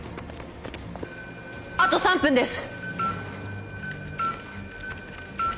あと３分です。